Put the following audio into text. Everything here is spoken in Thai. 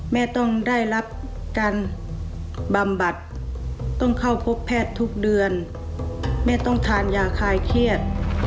แม่ต้องได้รับการบำบัดต้องเข้าพบแพทย์ทุกเดือนแม่ต้องทานยาคลายเครียด